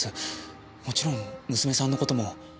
もちろん娘さんの事も。